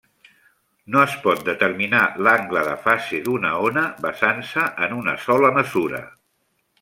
No es pot determinar l'angle de fase d'una ona basant-se en una sola mesura.